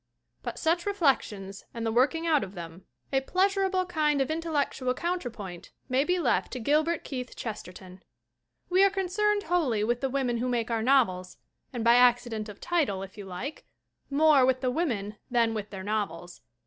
But such reflections and the working out of them, a i 2 THE . WQME'N 'tyHO MAKE OUR NOVELS pleasurable kind of intellectual counterpoint, may be left to Gilbert Keith Chesterton. We are concerned wholly with the women who make our novels and, by the accident of title if you like, more with the women than with their novels.